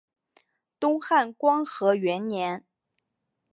东汉光和元年。